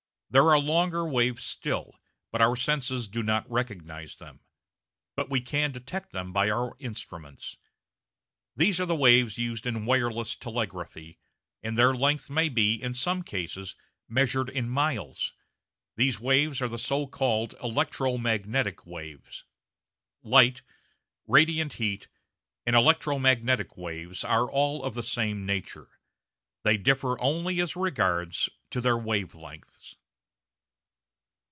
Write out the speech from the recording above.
There are longer waves still, but our senses do not recognise them. But we can detect them by our instruments. These are the waves used in wireless telegraphy, and their length may be, in some cases, measured in miles. These waves are the so called electro magnetic waves. Light, radiant heat, and electro magnetic waves are all of the same nature; they differ only as regards their wave lengths.